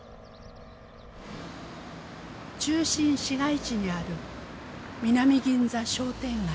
中心市街地にある南銀座商店街。